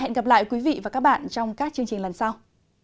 hẹn gặp lại quý vị và các bạn trong các chương trình lần sau